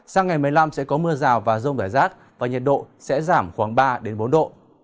sang ngày một mươi năm sẽ có mưa rào và rông rải rác và nhiệt độ sẽ giảm khoảng ba bốn độ